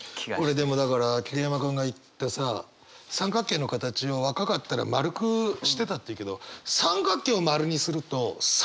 これでもだから桐山君が言ったさ「三角形の形を若かったら円くしてた」って言うけど三角形を円にするとサイズ小さくなるんだよね。